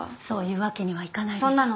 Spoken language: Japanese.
そういうわけにはいかないでしょ。